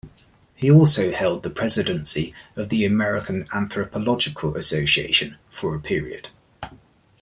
He also held the presidency of the American Anthropological Association for a period.